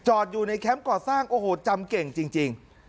จอดอยู่ในแคมป์เกาะสร้างโอ้โหจำเก่งจริงจริง